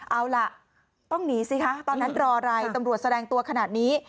เอาล่ะต้องหนีสิคะตอนนั้นรออะไรตำรวจแสดงตัวขนาดนี้